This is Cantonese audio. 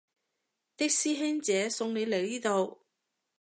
啲師兄姐送你嚟呢度